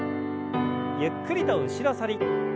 ゆっくりと後ろ反り。